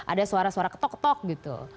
ada suara suara ketok ketok gitu